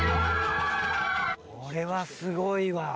・これはすごいわ。